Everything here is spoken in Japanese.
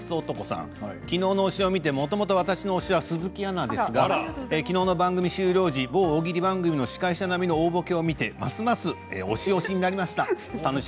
昨日の推しを見てもともと私の推しが鈴木アナですが昨日の番組終了時某大喜利番組の司会者並みのボケを見てますます推し推しになりました。